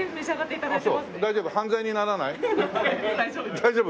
大丈夫？